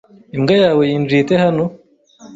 Imbwa yawe yinjiye ite hano?